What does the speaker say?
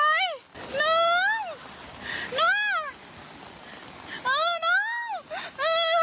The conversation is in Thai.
เออน้องเออทำอย่างไร